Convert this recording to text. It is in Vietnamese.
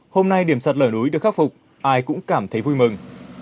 hôm nay điểm sạt lở núi được khắc phục ai cũng cảm thấy vui mừng